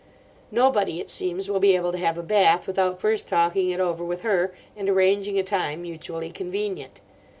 Nobody, it seems, will be able to have a bath without first talking it over with her, and arranging a time mutually convenient.